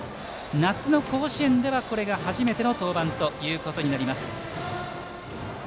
夏の甲子園ではこれが初めての登板ということになります。